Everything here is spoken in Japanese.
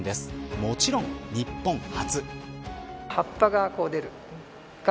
もちろん日本初。